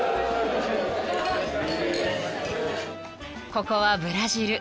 ［ここはブラジル］